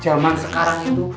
jaman sekarang itu